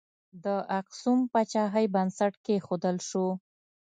د اکسوم پاچاهۍ بنسټ کښودل شو.